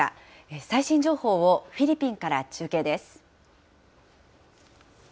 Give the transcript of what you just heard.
最新情報をフィリピンから中継です。